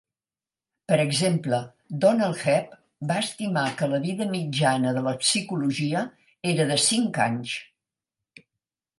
Per exemple, Donald Hebb va estimar que la vida mitjana de la psicologia era de cinc anys.